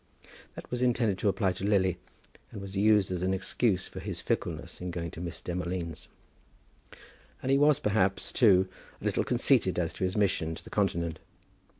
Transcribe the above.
That was intended to apply to Lily, and was used as an excuse for his fickleness in going to Miss Demolines. And he was, perhaps, too, a little conceited as to his mission to the Continent.